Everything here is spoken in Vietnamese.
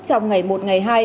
trong ngày một ngày hai